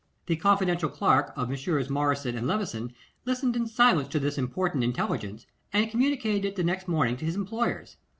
The confidential clerk of Messrs. Morris and Levison listened in silence to this important intelligence, and communicated it the next morning to his employers.